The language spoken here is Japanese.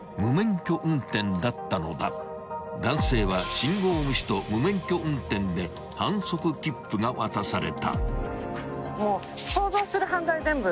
［男性は信号無視と無免許運転で反則切符が渡された］